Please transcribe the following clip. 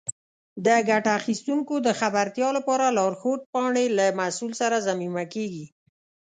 د ګټه اخیستونکو د خبرتیا لپاره لارښود پاڼې له محصول سره ضمیمه کېږي.